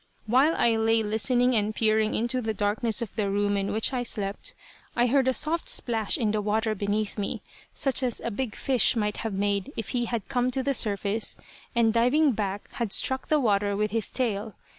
While I lay listening and peering into the darkness of the room in which I slept, I heard a soft splash in the water beneath me, such as a big fish might have made if he had come to the surface, and diving back had struck the water with his tail.